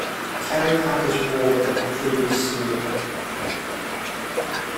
Kerry Packer's War the previous year.